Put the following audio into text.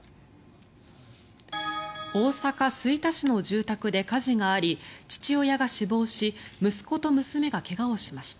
大阪・吹田市の住宅で火事があり父親が死亡し息子と娘が怪我をしました。